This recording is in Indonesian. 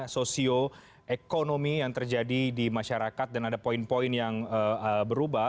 sosioekonomi yang terjadi di masyarakat dan ada poin poin yang berubah